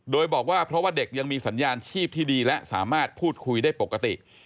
โดยบอกว่าเพราะว่าเด็กยังมีสัญญาณชีพที่ดีและสามารถพูดคุยได้ปกติ